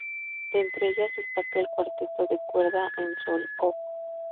De entre ellas destaca el "Cuarteto de cuerda en Sol", Op.